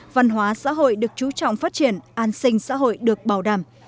văn hóa xã hội được chú trọng phát triển an sinh xã hội được bảo đảm